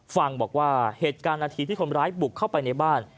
ฟังบอกว่าเหตุการณ์นาทีที่คนร้ายบุกเข้าไปในบ้าน